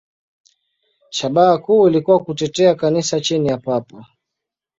Shabaha kuu ilikuwa kutetea Kanisa chini ya Papa.